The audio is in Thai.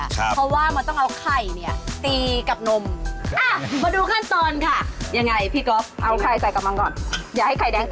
ถ้าเราไม่ทักเค้าเดี๋ยวเค้าก็หยุดเอง